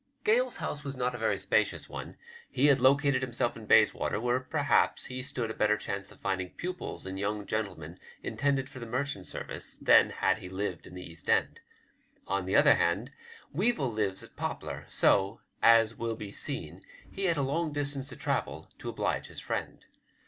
Gale's house was not a very spacious one; he had located himself in Bayswater, where, perhaps, he stood a better chance of finding pupils in young gentlemen intended for the merchant service than had he lived in the East end. On the other hand. Weevil lives at Poplar, so, as will be seen, he had a long distance to travel to oblige his friend.